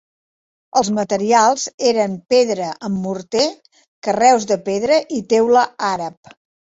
Els materials eren pedra amb morter, carreus de pedra i teula àrab.